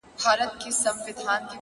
• ما خو خپل زړه هغې ته وركړى ډالۍ؛